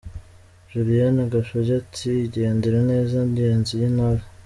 Julienne Gashugi ati :" Igendere neza ngenzi y’Intore.